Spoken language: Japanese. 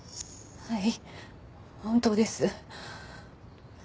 はい。